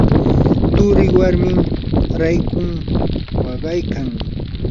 turii warmin raykun waqaykan.